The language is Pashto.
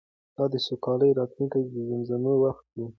دا د سوکاله راتلونکې د زمزمو وخت و.